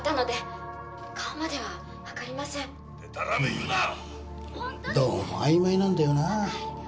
うーんどうも曖昧なんだよな。